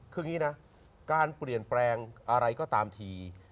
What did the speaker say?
คืออย่างนี้นะการเปลี่ยนแปลงอะไรก็ตามที